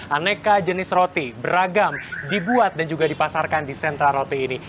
aneka jenis roti beragam dibuat dan juga dipasarkan di sentra roti ini